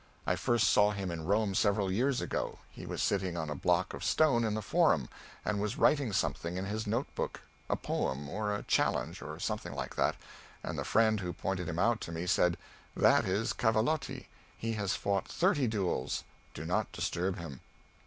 I first saw him in Rome several years ago. He was sitting on a block of stone in the Forum, and was writing something in his note book a poem or a challenge, or something like that and the friend who pointed him out to me said, "That is Cavalotti he has fought thirty duels; do not disturb him."